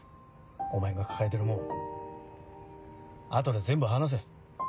お前が抱えてるもん後で全部話せ。